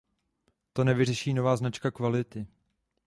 To nevyřeší nová značka kvality.